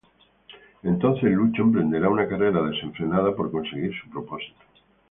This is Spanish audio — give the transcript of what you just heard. Entonces Lucho emprenderá una carrera desenfrenada por conseguir su propósito.